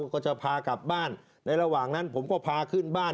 ก็จะพากลับบ้านในระหว่างนั้นผมก็พาขึ้นบ้าน